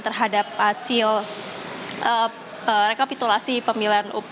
terhadap hasil rekapitulasi pemilihan umum